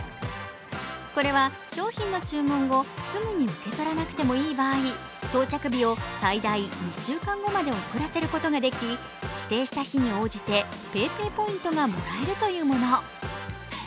これは、商品の注文後すぐに受け取らなくてもいい場合、到着日を最大２週間後まで遅られることができ指定した日に応じて、ＰａｙＰａｙポイントがもらえるというもの。